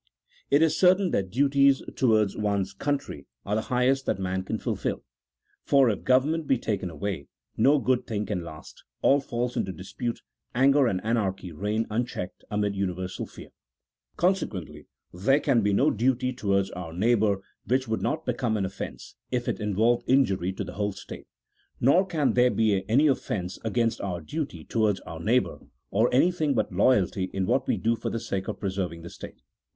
It is certain that duties towards one's country are the highest that man can fulfil ; for, if government be taken away, no good thing can last, all falls into dispute, anger and anarchy reign unchecked amid universal fear. Conse quently there can be no duty towards our neighbour which would not become an offence if it involved injury to the whole state, nor can there be any offence against our duty towards our neighbour, or anything but loyalty in what we do for the sake of preserving the state.